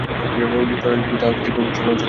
রুষ্ট রাজলক্ষ্মী তাহাকে তীব্র ভর্ৎসনা করিতে লাগিলেন।